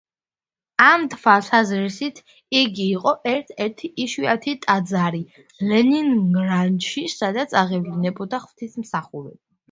ამ თვალსაზრისით იგი იყო ერთ-ერთი იშვიათი ტაძარი ლენინგრადში, სადაც აღევლინებოდა ღვთისმსახურება.